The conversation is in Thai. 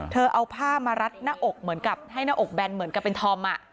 เอาผ้ามารัดหน้าอกเหมือนกับให้หน้าอกแบนเหมือนกับเป็นธอม